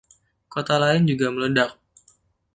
Kota lain juga meledak.